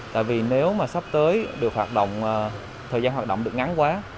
tại vì nếu mà sắp tới được hoạt động thời gian hoạt động được ngắn quá